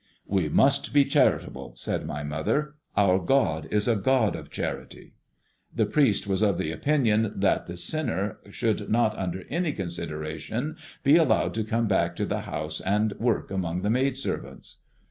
"We must be charitable," said my mother. "Our God is a God of charity." The priest was of the opinion that the sinner should not under any consideration be allowed to come back to the house and work among the maid servants.